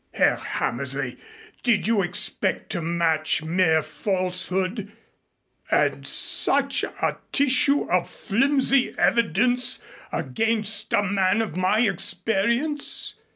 Herr Hammersley, did you expect to match mere falsehood and such a tissue of flimsy evidence against a man of my experience?